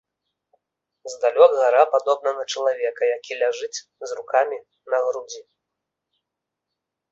Здалёк гара падобна на чалавека, які ляжыць з рукамі на грудзі.